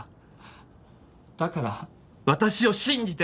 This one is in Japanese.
だから私を信じて！